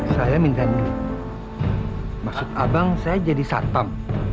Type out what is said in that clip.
saya minta duit maksud abang saya jadi satam